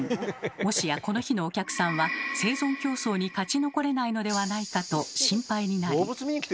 もしやこの日のお客さんは生存競争に勝ち残れないのではないかと心配になり。